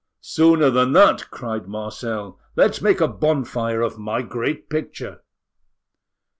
"Sooner than that," cried Marcel, "let's make a bonfire of my great picture!"